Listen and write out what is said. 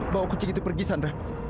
bawa kucing itu pergi sandra